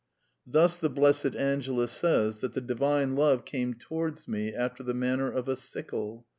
Thus the Blessed Angela says that the Divine Love ^^came towards me after the manner of a sickle.